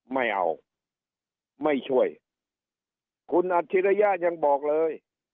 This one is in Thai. ไม่เอาไม่ช่วยคุณอัจฉริยะยังบอกเลย